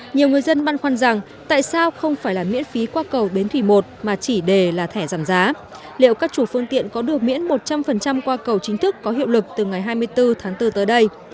nhiều người dân băn khoăn rằng tại sao không phải là miễn phí qua cầu bến thủy một mà chỉ để là thẻ giảm giá liệu các chủ phương tiện có được miễn một trăm linh qua cầu chính thức có hiệu lực từ ngày hai mươi bốn tháng bốn tới đây